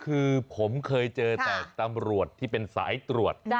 คือผมเคยเจอแต่ตำรวจที่เป็นสายตรวจ